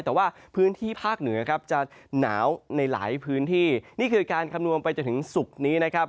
แต่ว่าพื้นที่ภาคเหนือครับจะหนาวในหลายพื้นที่นี่คือการคำนวณไปจนถึงศุกร์นี้นะครับ